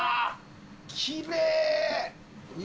きれい。